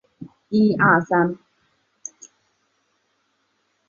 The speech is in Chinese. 毕业于安徽省委党校经管专业。